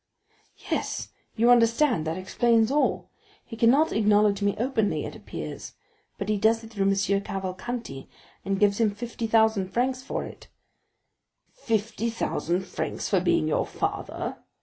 "Yes, you understand, that explains all. He cannot acknowledge me openly, it appears, but he does it through M. Cavalcanti, and gives him fifty thousand francs for it." "Fifty thousand francs for being your father?